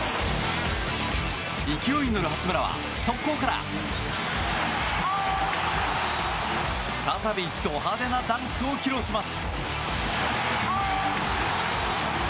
勢いに乗る八村は速攻から再び、ド派手なダンクを披露します。